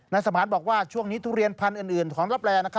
สมานบอกว่าช่วงนี้ทุเรียนพันธุ์อื่นของลับแล